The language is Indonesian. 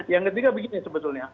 yang ketiga begini sebetulnya